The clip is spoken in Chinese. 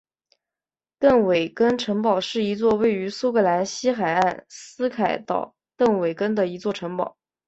邓韦根城堡是一座位于苏格兰西海岸斯凯岛邓韦根的一座城堡。